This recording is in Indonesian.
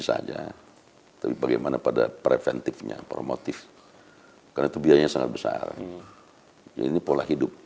saja tapi bagaimana pada preventifnya promotif karena itu biayanya sangat besar ini pola hidup